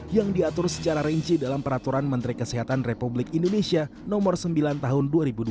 yang diatur secara rinci dalam peraturan menteri kesehatan republik indonesia nomor sembilan tahun dua ribu dua puluh